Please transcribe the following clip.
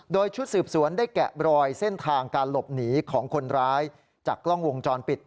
โดยชุดสืบสวนได้แกะรอยเส้นทางการหลบหนีของคนร้ายจากกล้องวงจรปิด